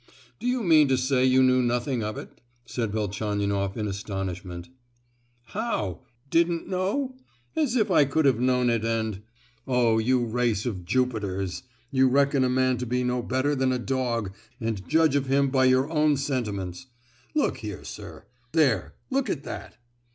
"Do you mean to say you knew nothing of it?" said Velchaninoff in astonishment. "How! Didn't know? As if I could have known it and——Oh, you race of Jupiters! you reckon a man to be no better than a dog, and judge of him by your own sentiments. Look here, sir,—there, look at that."